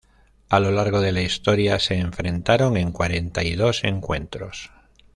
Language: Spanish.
A lo largo de la historia se enfrentaron en cuarenta y dos encuentros.